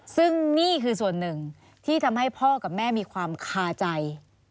ซึ่งนี่คือส่วนหนึ่งที่ทำให้พ่อกับแม่มีความคาใจ